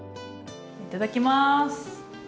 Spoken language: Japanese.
いただきます！